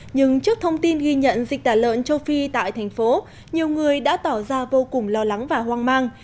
nhưng trước thông tin ghi nhận dịch tả lợn châu phi tại thành phố nhiều người đã tỏ ra vô cùng lo lắng và hoang mang